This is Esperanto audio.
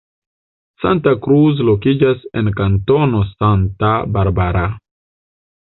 Santa Cruz lokiĝas en Kantono Santa Barbara.